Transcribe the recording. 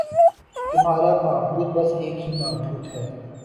تمہارا معبود بس ایک ہی معبود ہے